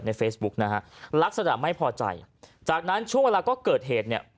เฟซบุ๊กนะฮะลักษณะไม่พอใจจากนั้นช่วงเวลาก็เกิดเหตุเนี่ย